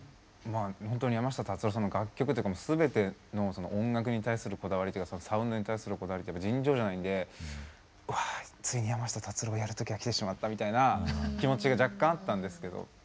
本当に山下達郎さんの楽曲っていうか全ての音楽に対するこだわりというかサウンドに対するこだわりというか尋常じゃないんでわあついに山下達郎をやる時がきてしまったみたいな気持ちが若干あったんですけど。